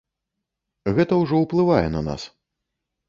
Гэта ўжо ўплывае на нас.